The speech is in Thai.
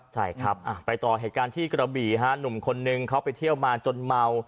ใช่ครับไปต่อเหตุการณ์ที่กระบี่ฮะหนุ่มคนนึงเขาไปเที่ยวมาจนเมา